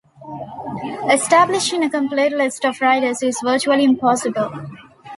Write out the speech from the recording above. Establishing a complete list of riders is virtually impossible.